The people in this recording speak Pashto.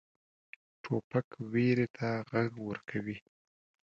توپک ویرې ته غږ ورکوي.